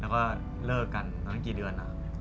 และก็เลิกกันตั้งที่เดือน